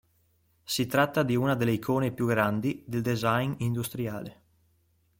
Si tratta di una delle icone più grandi del design industriale.